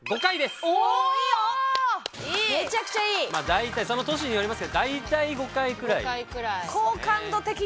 大体その年によりますけど大体５回くらい。